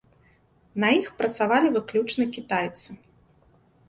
На іх працавалі выключна кітайцы.